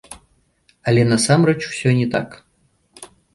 Але насамрэч усё не так.